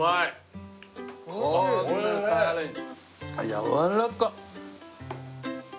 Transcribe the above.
やわらかっ！